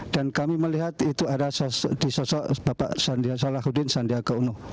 kami melihat itu ada di sosok bapak salahuddin sandiaga uno